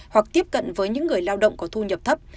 hoặc tiếp cận với những người lao động có thu nhập thấp